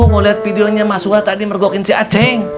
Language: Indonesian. ngelihat videonya mas suha tadi mergokin si aceng